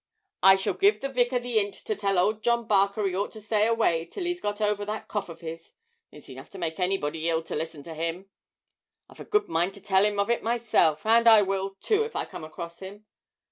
I shall give the vicar the 'int to tell old John Barker he ought to stay away till he's got over that cough of his; it's enough to make anybody ill to listen to him. I've a good mind to tell him of it myself; and I will, too, if I come across him.